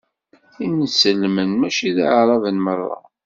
Inselmen mačči d aɛṛaben meṛṛa.